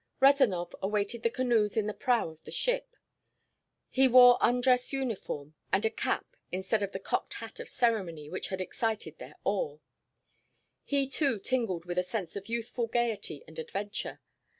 Rezanov awaited the canoes in the prow of the ship. He wore undress uniform and a cap instead of the cocked hat of ceremony which had excited their awe. He too tingled with a sense of youthful gaiety and adventure.